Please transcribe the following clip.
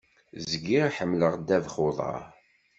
Zgiɣ ḥemmleɣ ddabex uḍaṛ.